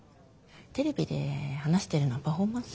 テレビで話してるのはパフォーマンス？